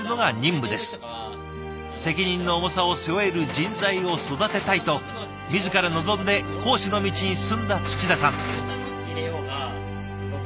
「責任の重さを背負える人材を育てたい」と自ら望んで講師の道に進んだ田さん。